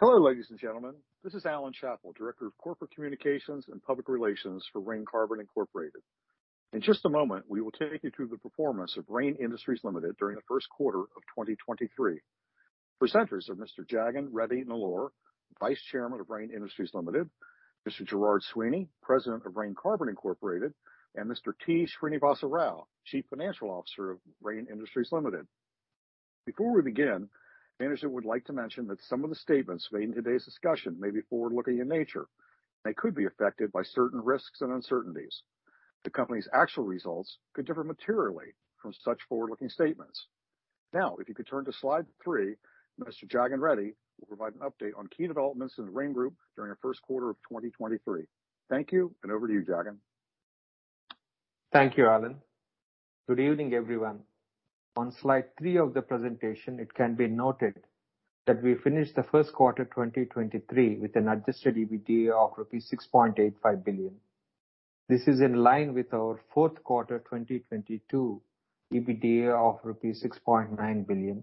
Hello, ladies and gentlemen. This is Alan Chapple, Director of Corporate Communications and Public Relations for Rain Carbon Inc. In just a moment, we will take you through the performance of Rain Industries Limited during the first quarter of 2023. Presenters are Mr. Jagan Reddy Nellore, Vice Chairman of Rain Industries Limited, Mr. Gerard Sweeney, President of Rain Carbon Inc., and Mr. T. Srinivasa Rao, Chief Financial Officer of Rain Industries Limited. Before we begin, management would like to mention that some of the statements made in today's discussion may be forward-looking in nature. They could be affected by certain risks and uncertainties. The company's actual results could differ materially from such forward-looking statements. If you could turn to slide three, Mr. Jagan Reddy will provide an update on key developments in the Rain Group during the first quarter of 2023. Thank you, and over to you, Jagan. Thank you, Alan Chapple. Good evening, everyone. On slide three of the presentation, it can be noted that we finished the first quarter 2023 with an adjusted EBITDA of rupees 6.85 billion. This is in line with our fourth quarter 2022 EBITDA of rupees 6.9 billion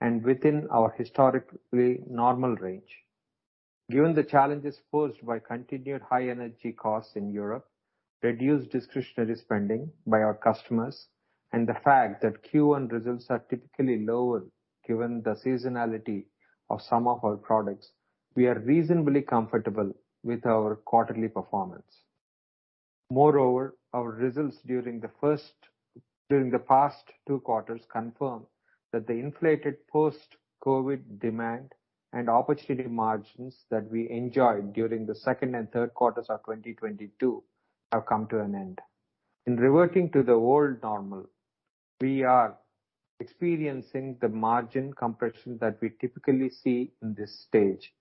and within our historically normal range. Given the challenges posed by continued high energy costs in Europe, reduced discretionary spending by our customers, and the fact that Q1 results are typically lower given the seasonality of some of our products, we are reasonably comfortable with our quarterly performance. Our results during the past two quarters confirm that the inflated post-COVID demand and opportunity margins that we enjoyed during the second and third quarters of 2022 have come to an end. In reverting to the old normal, we are experiencing the margin compression that we typically see in this stage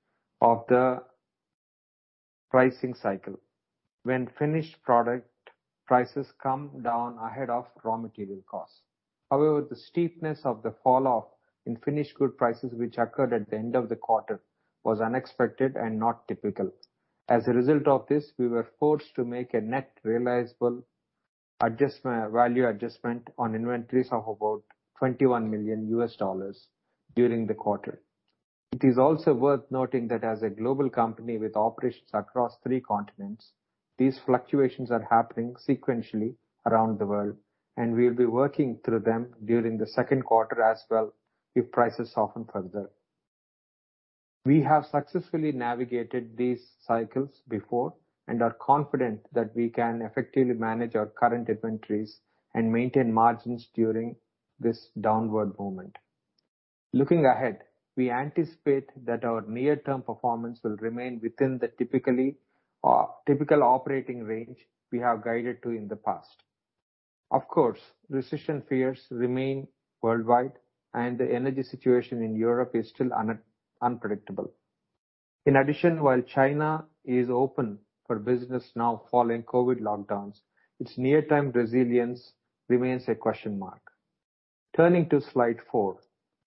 of the pricing cycle when finished product prices come down ahead of raw material costs. The steepness of the falloff in finished good prices which occurred at the end of the quarter was unexpected and not typical. As a result of this, we were forced to make a net realizable value adjustment on inventories of about $21 million during the quarter. It is also worth noting that as a global company with operations across three continents, these fluctuations are happening sequentially around the world, and we'll be working through them during the second quarter as well if prices soften further. We have successfully navigated these cycles before and are confident that we can effectively manage our current inventories and maintain margins during this downward moment. Looking ahead, we anticipate that our near-term performance will remain within the typical operating range we have guided to in the past. Of course, recession fears remain worldwide, and the energy situation in Europe is still unpredictable. In addition, while China is open for business now following COVID lockdowns, its near-term resilience remains a question mark. Turning to slide four.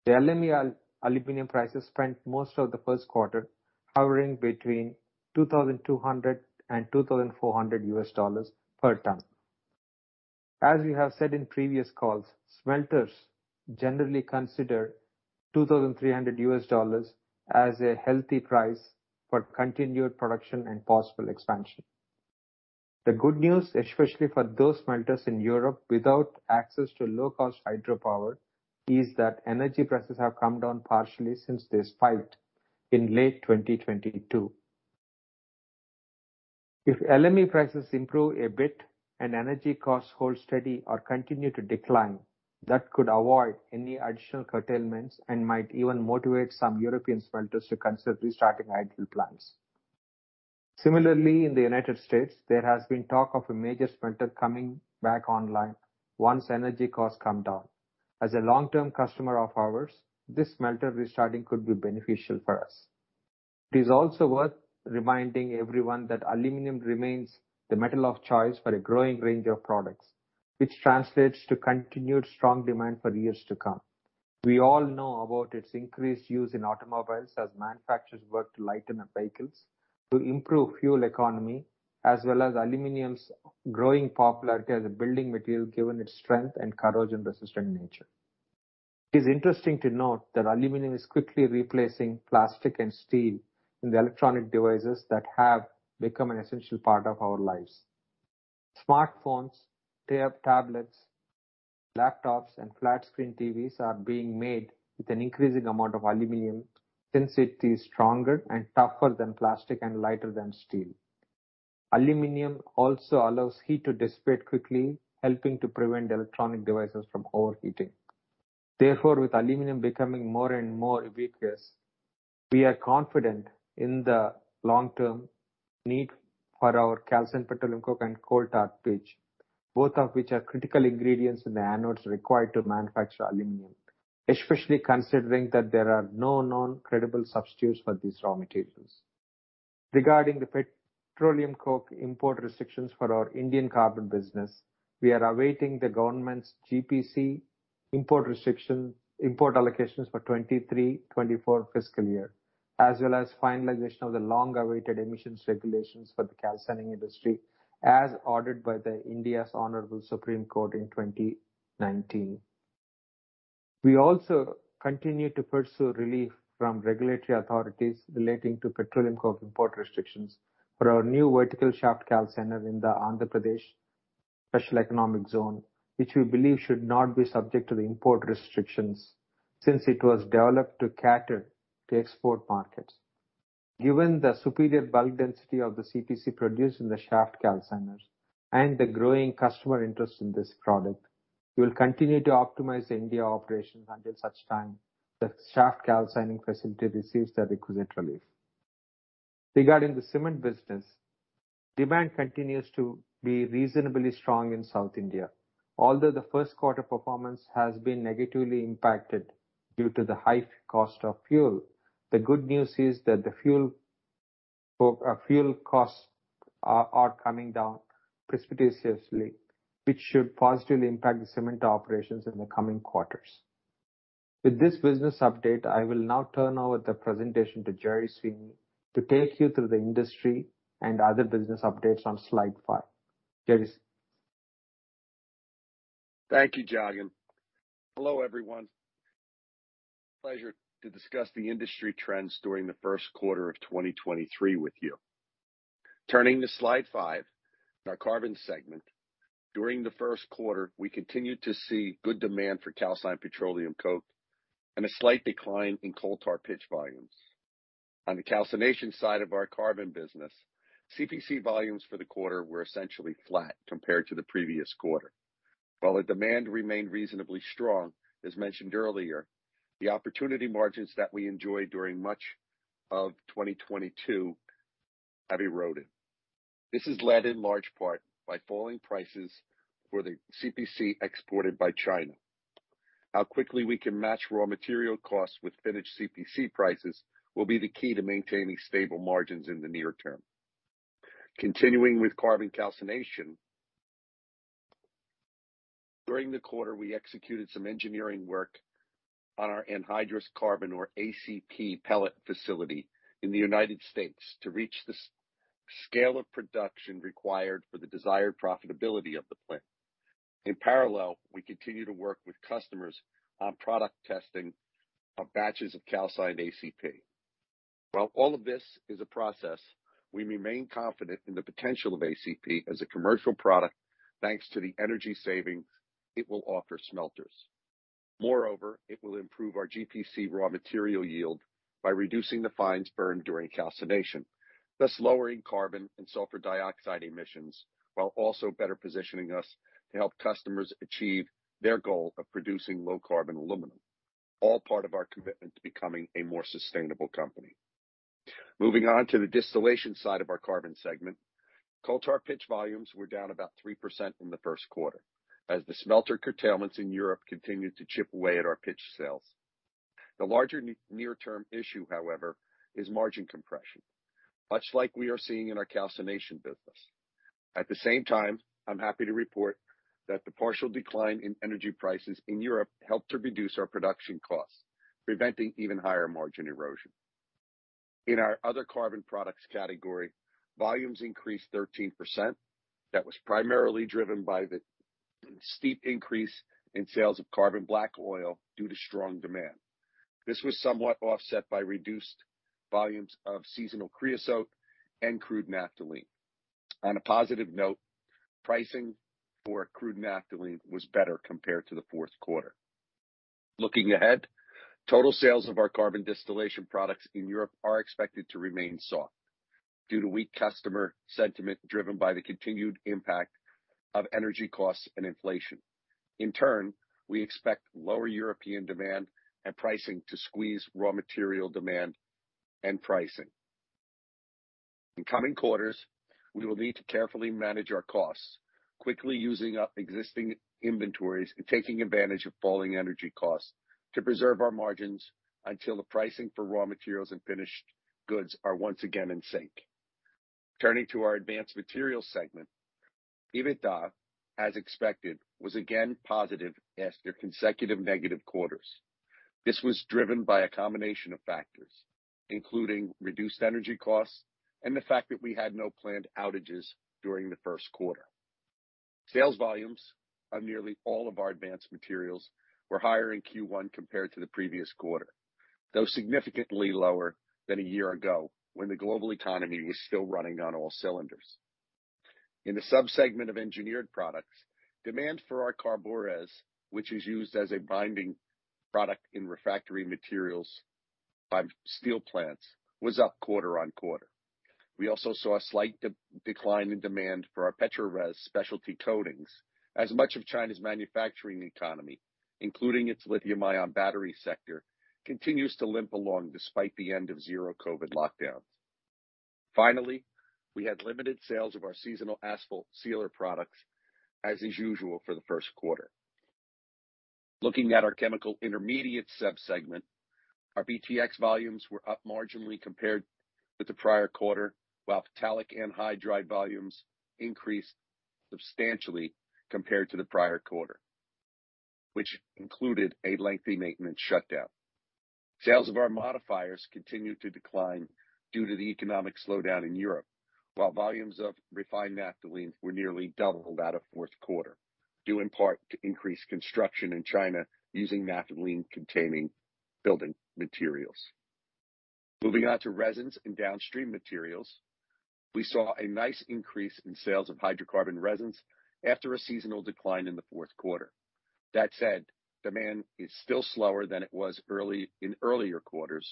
The LME aluminum prices spent most of the first quarter hovering between $2,200 and $2,400 per ton. As we have said in previous calls, smelters generally consider $2,300 as a healthy price for continued production and possible expansion. The good news, especially for those smelters in Europe without access to low-cost hydropower, is that energy prices have come down partially since they spiked in late 2022. If LME prices improve a bit and energy costs hold steady or continue to decline, that could avoid any additional curtailments and might even motivate some European smelters to consider restarting idle plants. Similarly, in the United States, there has been talk of a major smelter coming back online once energy costs come down. As a long-term customer of ours, this smelter restarting could be beneficial for us. It is also worth reminding everyone that aluminum remains the metal of choice for a growing range of products, which translates to continued strong demand for years to come. We all know about its increased use in automobiles as manufacturers work to lighten up vehicles to improve fuel economy, as well as aluminum's growing popularity as a building material, given its strength and corrosion-resistant nature. It is interesting to note that aluminum is quickly replacing plastic and steel in the electronic devices that have become an essential part of our lives. Smartphones, tablets, laptops, and flat-screen TVs are being made with an increasing amount of aluminum since it is stronger and tougher than plastic and lighter than steel. Aluminum also allows heat to dissipate quickly, helping to prevent electronic devices from overheating. Therefore, with aluminum becoming more and more ubiquitous, we are confident in the long-term need for our calcined petroleum coke and coal tar pitch, both of which are critical ingredients in the anodes required to manufacture aluminum, especially considering that there are no known credible substitutes for these raw materials. Regarding the petroleum coke import restrictions for our Indian carbon business, we are awaiting the government's GPC import allocations for 2023/2024 fiscal year, as well as finalization of the long-awaited emissions regulations for the calcining industry, as ordered by the India's Honorable Supreme Court in 2019. We also continue to pursue relief from regulatory authorities relating to petroleum coke import restrictions for our new vertical shaft calciner in the Andhra Pradesh Special Economic Zone, which we believe should not be subject to the import restrictions since it was developed to cater to export markets. Given the superior bulk density of the CPC produced in the shaft calciners and the growing customer interest in this product, we will continue to optimize India operations until such time the shaft calcining facility receives the requisite relief. Regarding the cement business, demand continues to be reasonably strong in South India. Although the first quarter performance has been negatively impacted due to the high cost of fuel, the good news is that the fuel costs are coming down precipitously, which should positively impact the cement operations in the coming quarters. With this business update, I will now turn over the presentation to Gerry Sweeney to take you through the industry and other business updates on slide five. Gerry Sweeney. Thank you, Jagan. Hello, everyone. Pleasure to discuss the industry trends during the first quarter of 2023 with you. Turning to slide five, our Carbon segment. During the first quarter, we continued to see good demand for calcined petroleum coke and a slight decline in coal tar pitch volumes. On the calcination side of our carbon business, CPC volumes for the quarter were essentially flat compared to the previous quarter. While the demand remained reasonably strong, as mentioned earlier, the opportunity margins that we enjoyed during much of 2022 have eroded. This is led in large part by falling prices for the CPC exported by China. How quickly we can match raw material costs with finished CPC prices will be the key to maintaining stable margins in the near term. Continuing with carbon calcination. During the quarter, we executed some engineering work on our Anhydrous Carbon or ACP pellet facility in the United States to reach the scale of production required for the desired profitability of the plant. In parallel, we continue to work with customers on product testing of batches of calcined ACP. While all of this is a process, we remain confident in the potential of ACP as a commercial product, thanks to the energy savings it will offer smelters. Moreover, it will improve our GPC raw material yield by reducing the fines burned during calcination, thus lowering carbon and sulfur dioxide emissions, while also better positioning us to help customers achieve their goal of producing low carbon aluminum. All part of our commitment to becoming a more sustainable company. Moving on to the distillation side of our Carbon segment. Coal tar pitch volumes were down about 3% in the first quarter as the smelter curtailments in Europe continued to chip away at our pitch sales. The larger near term issue, however, is margin compression, much like we are seeing in our calcination business. At the same time, I'm happy to report that the partial decline in energy prices in Europe helped to reduce our production costs, preventing even higher margin erosion. In our other carbon products category, volumes increased 13%. That was primarily driven by the steep increase in sales of carbon black oil due to strong demand. This was somewhat offset by reduced volumes of seasonal creosote and crude naphthalene. On a positive note, pricing for crude naphthalene was better compared to the fourth quarter. Looking ahead, total sales of our carbon distillation products in Europe are expected to remain soft due to weak customer sentiment driven by the continued impact of energy costs and inflation. We expect lower European demand and pricing to squeeze raw material demand and pricing. In coming quarters, we will need to carefully manage our costs, quickly using up existing inventories and taking advantage of falling energy costs to preserve our margins until the pricing for raw materials and finished goods are once again in sync. Turning to our Advanced Materials segment, EBITDA, as expected, was again positive after consecutive negative quarters. This was driven by a combination of factors, including reduced energy costs and the fact that we had no planned outages during the first quarter. Sales volumes of nearly all of our advanced materials were higher in Q1 compared to the previous quarter, though significantly lower than a year ago when the global economy was still running on all cylinders. In the subsegment of Engineered Products, demand for our CARBORES, which is used as a binding product in refractory materials by steel plants, was up quarter on quarter. We also saw a slight decline in demand for our PETRORES specialty coatings, as much of China's manufacturing economy, including its lithium-ion battery sector, continues to limp along despite the end of zero COVID lockdowns. Finally, we had limited sales of our seasonal asphalt sealer products, as is usual for the first quarter. Looking at our Chemical Intermediate subsegment, our BTX volumes were up marginally compared with the prior quarter, while phthalic anhydride volumes increased substantially compared to the prior quarter. Which included a lengthy maintenance shutdown. Sales of our modifiers continued to decline due to the economic slowdown in Europe, while volumes of refined naphthalene were nearly double that of fourth quarter, due in part to increased construction in China using naphthalene containing building materials. Moving on to Resins & downstream materials, we saw a nice increase in sales of hydrocarbon resins after a seasonal decline in the fourth quarter. That said, demand is still slower than it was early in earlier quarters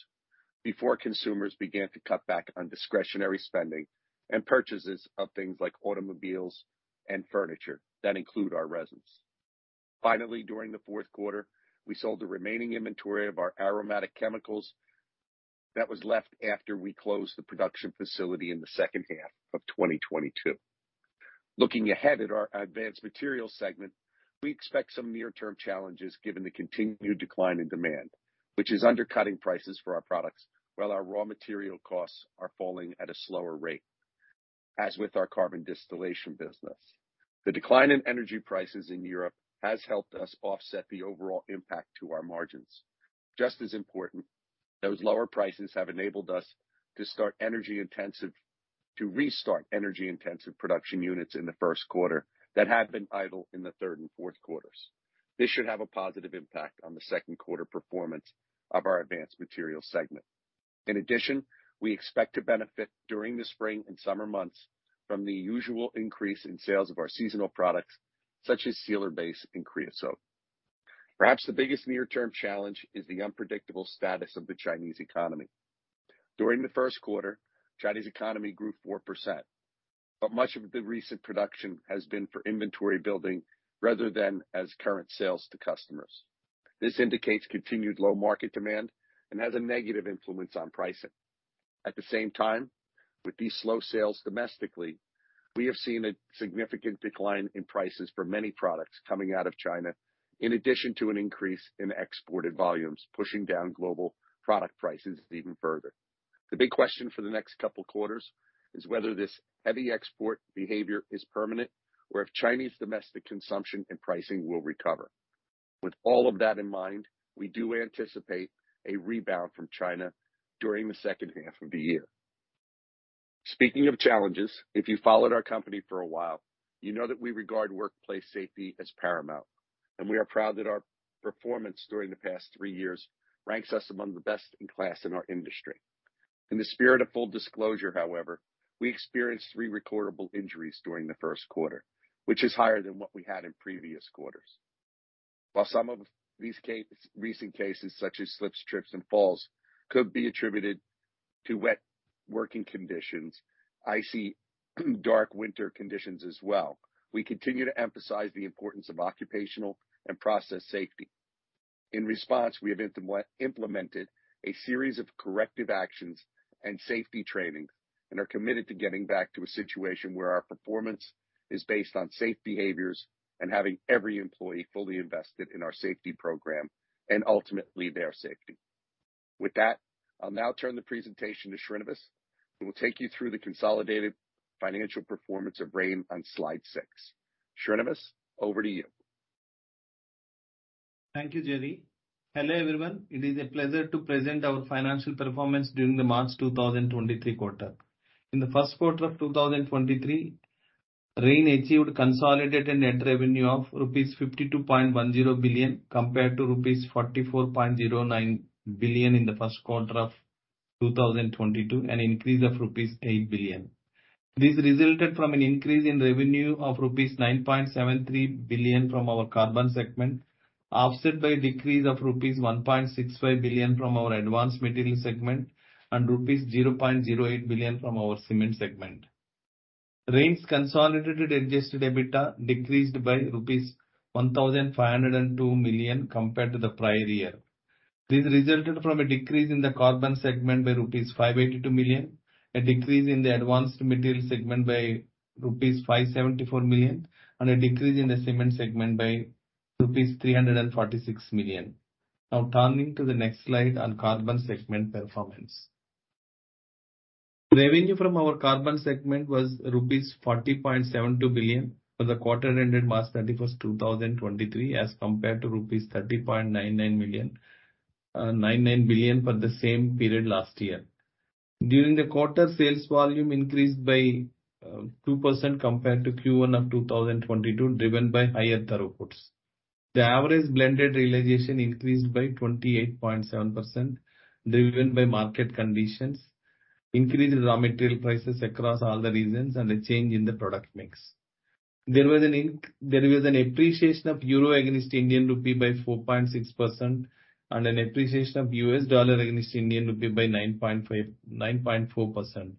before consumers began to cut back on discretionary spending and purchases of things like automobiles and furniture that include our resins. Finally, during the fourth quarter, we sold the remaining inventory of our aromatic chemicals that was left after we closed the production facility in the second half of 2022. Looking ahead at our Advanced Materials segment, we expect some near-term challenges given the continued decline in demand, which is undercutting prices for our products while our raw material costs are falling at a slower rate. As with our carbon distillation business, the decline in energy prices in Europe has helped us offset the overall impact to our margins. Just as important, those lower prices have enabled us to restart energy-intensive production units in the first quarter that had been idle in the third and fourth quarters. This should have a positive impact on the second quarter performance of our Advanced Materials segment. In addition, we expect to benefit during the spring and summer months from the usual increase in sales of our seasonal products, such as sealer base and creosote. Perhaps the biggest near-term challenge is the unpredictable status of the Chinese economy. During the first quarter, Chinese economy grew 4%, but much of the recent production has been for inventory building rather than as current sales to customers. This indicates continued low market demand and has a negative influence on pricing. At the same time, with these slow sales domestically, we have seen a significant decline in prices for many products coming out of China, in addition to an increase in exported volumes, pushing down global product prices even further. The big question for the next couple quarters is whether this heavy export behavior is permanent or if Chinese domestic consumption and pricing will recover. With all of that in mind, we do anticipate a rebound from China during the second half of the year. Speaking of challenges, if you followed our company for a while, you know that we regard workplace safety as paramount, and we are proud that our performance during the past three years ranks us among the best in class in our industry. In the spirit of full disclosure, however, we experienced three recordable injuries during the first quarter, which is higher than what we had in previous quarters. While some of these recent cases, such as slips, trips, and falls, could be attributed to wet working conditions, icy, dark winter conditions as well, we continue to emphasize the importance of occupational and process safety. In response, we have implemented a series of corrective actions and safety trainings and are committed to getting back to a situation where our performance is based on safe behaviors and having every employee fully invested in our safety program and ultimately their safety. With that, I'll now turn the presentation to Srinivasa, who will take you through the consolidated financial performance of Rain on slide six. Srinivasa, over to you. Thank you, Gerard. Hello, everyone. It is a pleasure to present our financial performance during the March 2023 quarter. In the first quarter of 2023, Rain achieved consolidated net revenue of rupees 52.1 billion compared to rupees 44.09 billion in the first quarter of 2022, an increase of rupees 8 billion. This resulted from an increase in revenue of rupees 9.73 billion from our Carbon segment, offset by a decrease of rupees 1.65 billion from our Advanced Materials segment and rupees 0.08 billion from our Cement segment. Rain's consolidated adjusted EBITDA decreased by rupees 1,502 million compared to the prior year. This resulted from a decrease in the Carbon segment by rupees 582 million, a decrease in the Advanced Materials segment by rupees 574 million, and a decrease in the Cement segment by rupees 346 million. Turning to the next slide on Carbon segment performance. Revenue from our Carbon segment was rupees 40.72 billion for the quarter ended March 31st, 2023, as compared to rupees 30.99 billion for the same period last year. During the quarter, sales volume increased by 2% compared to Q1 of 2022, driven by higher throughputs. The average blended realization increased by 28.7%, driven by market conditions, increased raw material prices across all the regions, and a change in the product mix. There was an appreciation of EUR against INR by 4.6% and an appreciation of USD against INR by 9.5%, 9.4%.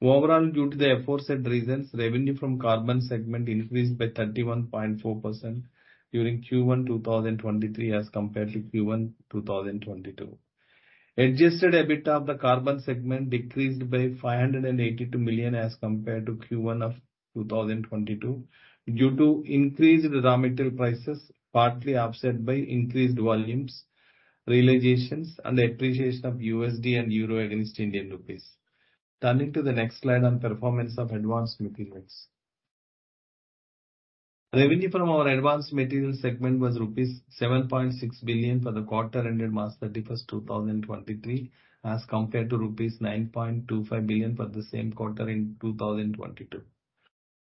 Overall, due to the aforesaid reasons, revenue from Carbon segment increased by 31.4% during Q1 2023 as compared to Q1 2022. adjusted EBITDA of the Carbon segment decreased by 582 million as compared to Q1 2022 due to increased raw material prices, partly offset by increased volumes. Realizations and appreciation of USD and EUR against INR. Turning to the next slide on performance of Advanced Materials. Revenue from our Advanced Materials segment was rupees 7.6 billion for the quarter ended March 31st, 2023, as compared to rupees 9.25 billion for the same quarter in 2022.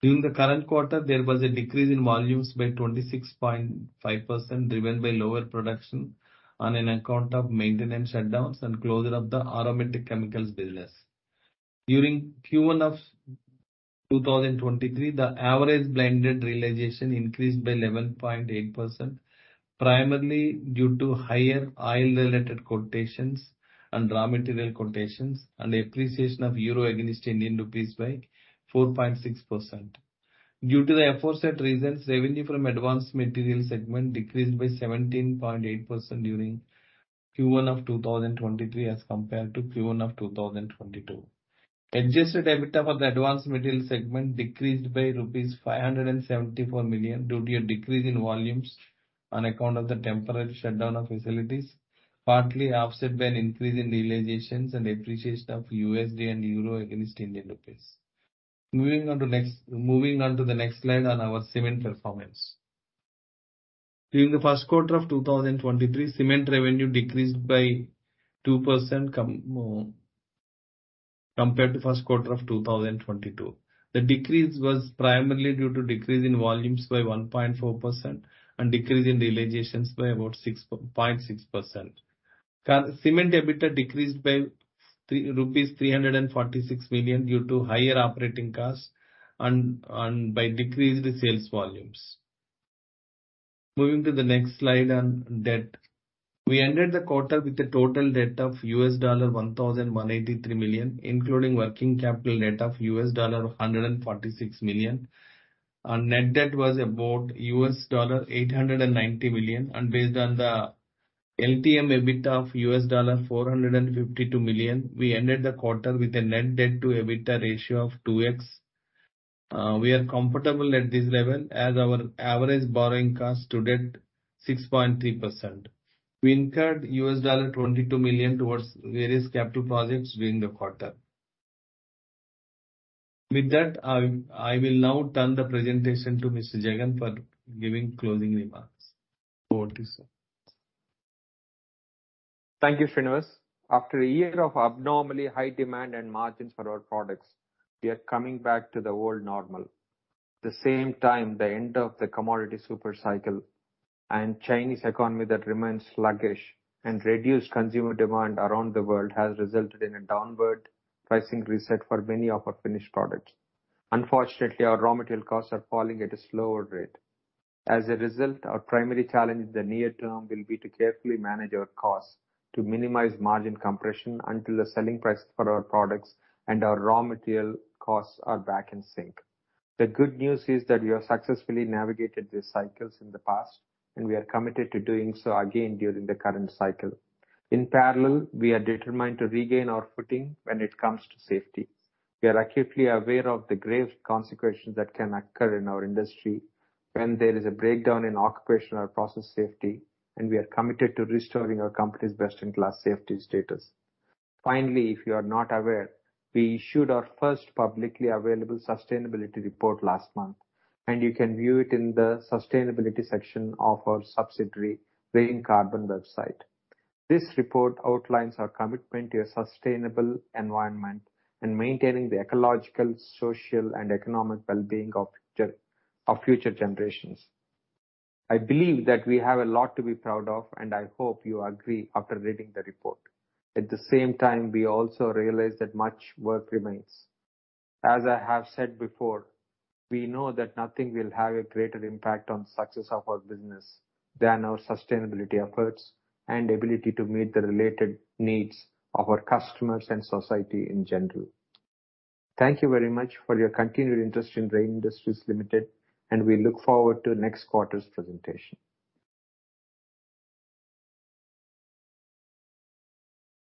During the current quarter, there was a decrease in volumes by 26.5% driven by lower production on an account of maintenance shutdowns and closure of the aromatic chemicals business. During Q1 of 2023, the average blended realization increased by 11.8%, primarily due to higher oil-related quotations and raw material quotations and appreciation of Euro against Indian rupee by 4.6%. Due to the aforesaid reasons, revenue from Advanced Materials segment decreased by 17.8% during Q1 of 2023 as compared to Q1 of 2022. Adjusted EBITDA for the Advanced Materials segment decreased by rupees 574 million due to a decrease in volumes on account of the temporary shutdown of facilities, partly offset by an increase in realizations and appreciation of USD and Euro against Indian Rupees. Moving on to the next slide on our cement performance. During the first quarter of 2023, cement revenue decreased by 2% compared to first quarter of 2022. The decrease was primarily due to decrease in volumes by 1.4% and decrease in realizations by about 6.6%. Cement EBITDA decreased by rupees 346 million due to higher operating costs and by decreased sales volumes. Moving to the next slide on debt. We ended the quarter with a total debt of $1,183 million, including working capital debt of $146 million. Our net debt was about $890 million, and based on the LTM EBITDA of $452 million, we ended the quarter with a net debt-to-EBITDA ratio of 2x. We are comfortable at this level as our average borrowing cost to debt 6.3%. We incurred $22 million towards various capital projects during the quarter. With that, I will now turn the presentation to Mr. Jagan for giving closing remarks. Over to you, sir. Thank you, Srinivasa. After a year of abnormally high demand and margins for our products, we are coming back to the world normal. At the same time, the end of the commodity super cycle and Chinese economy that remains sluggish and reduced consumer demand around the world has resulted in a downward pricing reset for many of our finished products. Unfortunately, our raw material costs are falling at a slower rate. As a result, our primary challenge in the near term will be to carefully manage our costs to minimize margin compression until the selling price for our products and our raw material costs are back in sync. The good news is that we have successfully navigated these cycles in the past, and we are committed to doing so again during the current cycle. In parallel, we are determined to regain our footing when it comes to safety. We are acutely aware of the grave consequences that can occur in our industry when there is a breakdown in occupational process safety, and we are committed to restoring our company's best-in-class safety status. Finally, if you are not aware, we issued our first publicly available sustainability report last month, and you can view it in the sustainability section of our subsidiary, Rain Carbon website. This report outlines our commitment to a sustainable environment and maintaining the ecological, social, and economic well-being of future generations. I believe that we have a lot to be proud of, and I hope you agree after reading the report. At the same time, we also realize that much work remains. As I have said before, we know that nothing will have a greater impact on success of our business than our sustainability efforts and ability to meet the related needs of our customers and society in general. Thank you very much for your continued interest in Rain Industries Limited. We look forward to next quarter's presentation.